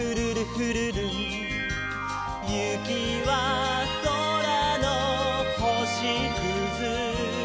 「ゆきはそらのほしくず」